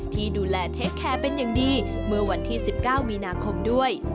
ที่ดูแลเทคแคร์เป็นอย่างดีเมื่อวันที่๑๙มีนาคมด้วย